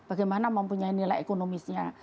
bagaimana mempunyai nilai ekonomisnya